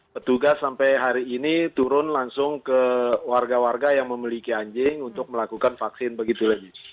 petugas sampai hari ini turun langsung ke warga warga yang memiliki anjing untuk melakukan vaksin begitu lagi